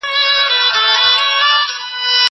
زه واښه نه راوړم!!